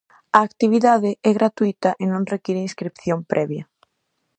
A actividade é gratuíta e non require inscrición previa.